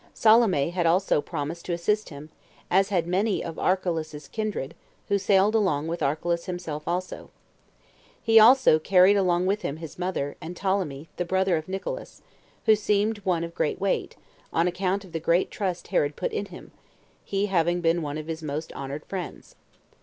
Salome had also promised to assist him, as had many of Archelaus's kindred, who sailed along with Archelaus himself also. He also carried along with him his mother, and Ptolemy, the brother of Nicolaus, who seemed one of great weight, on account of the great trust Herod put in him, he having been one of his most honored friends.